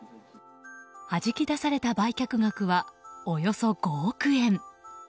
はじき出された売却額はおよそ５億円。